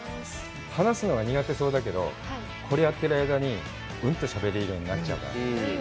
話すのは苦手そうだけど、これやってる間にうんとしゃべれるようになっちゃうから。